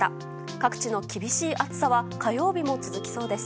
各地の厳しい暑さは火曜日も続きそうです。